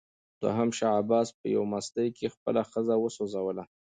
دوهم شاه عباس په یوه مستۍ کې خپله ښځه وسوځوله.